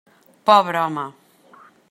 Pobre home!